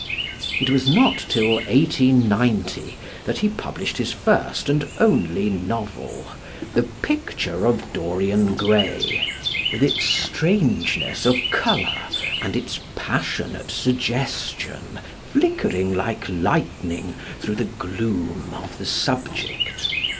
It was not till 1890 that he published his first and only novel, The Picture of Dorian Gray, with its strangeness of colour and its passionate suggestion flickering like lightning through the gloom of the subject.